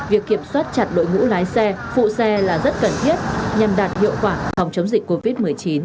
việc kiểm soát chặt đội ngũ lái xe phụ xe là rất cần thiết nhằm đạt hiệu quả phòng chống dịch covid một mươi chín